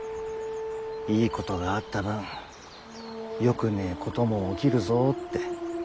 いいことがあった分よくねえことも起きるぞって。